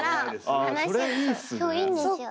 そういいんですよ。